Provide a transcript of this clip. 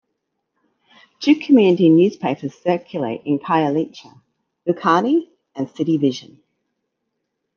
Two community newspapers circulate in Khayelitsha, "Vukani" and "City Vision".